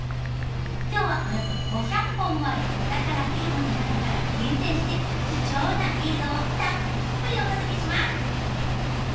今日はおよそ５００本もあるお宝フィルムの中から厳選して貴重な映像をたっぷりお届けします。